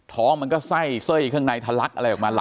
ท้องก็ไส้เซ่บอก